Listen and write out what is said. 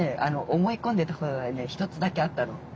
思いこんでたことがね一つだけあったの。